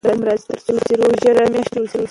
هغه د ژوند په نوې معنا پوهیږي.